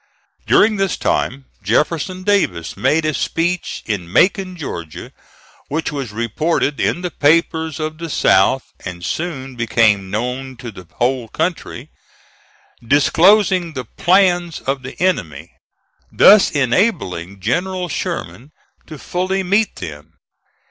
During this time Jefferson Davis made a speech in Macon, Georgia, which was reported in the papers of the South, and soon became known to the whole country, disclosing the plans of the enemy, thus enabling General Sherman to fully meet them.